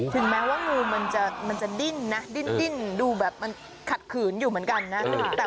ถึงแม้ว่างูจะดิ้นดูแบบขัดขืนอยู่เหมือนกันนะ